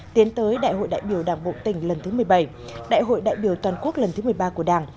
tiến tới đại hội đại biểu đảng bộ tỉnh lần thứ một mươi bảy đại hội đại biểu toàn quốc lần thứ một mươi ba của đảng